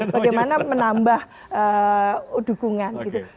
bagaimana menambah dukungan gitu